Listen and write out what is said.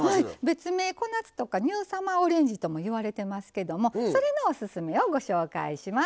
別名小夏とかニューサマーオレンジともいわれてますけどもそれのオススメをご紹介します。